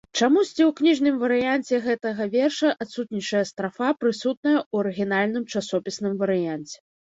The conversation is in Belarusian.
Чамусьці ў кніжным варыянце гэтага верша адсутнічае страфа, прысутная ў арыгінальным часопісным варыянце.